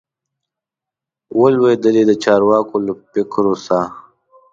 وه لوېدلي د چارواکو له فکرو سه